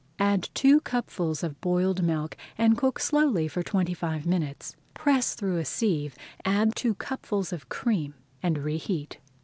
Add two cupfuls of boiled milk and cook slowly for twenty five minutes. Press through a sieve, add two cupfuls of cream, and reheat.